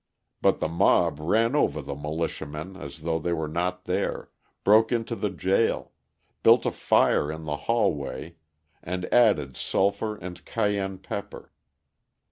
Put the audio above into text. But the mob ran over the militiamen as though they were not there, broke into the jail, built a fire in the hallway, and added sulphur and cayenne pepper.